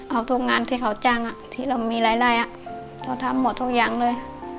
เอาทุกงานที่เขาจ้างอ่ะที่เรามีไร่ไร่อ่ะเขาทำหมดทุกอย่างเลย